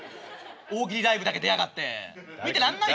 大喜利ライブだけ出やがって見てらんないわ。